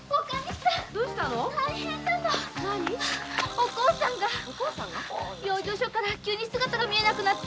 おこうさんが養生所から急に姿が見えなくなって。